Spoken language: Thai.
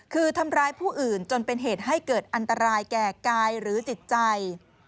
คือทำร้ายผู้อื่นจนเป็นเหตุให้เกิดอันตรายแก่กายหรือจิตใจ